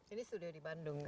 ini studio di bandung ya